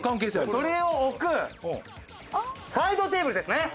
それを置くサイドテーブルですね。